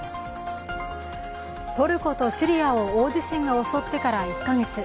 トルコとシリアを大地震が襲ってから１か月。